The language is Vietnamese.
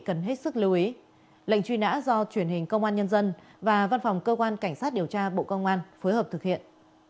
cần hết sức lưu ý lệnh truy nã do truyền hình công an nhân dân và văn phòng cơ quan cảnh sát điều tra bộ công an phối hợp thực hiện